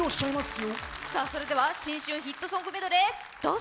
新春ヒットソングメドレー、どうぞ。